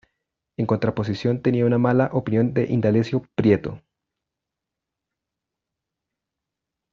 En contraposición, tenía una mala opinión de Indalecio Prieto.